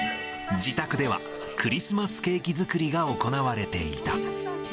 自宅ではクリスマスケーキ作りが行われていた。